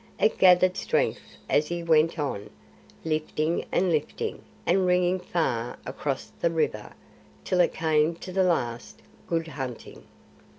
It gathered strength as he went on, lifting and lifting, and ringing far across the river, till it came to the last "Good hunting!"